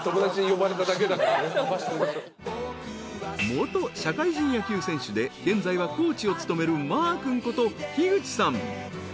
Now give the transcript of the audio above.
［元社会人野球選手で現在はコーチを務めるマー君こと樋口さん］